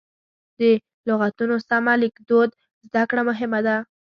د لغتونو سمه لیکدود زده کړه مهمه ده.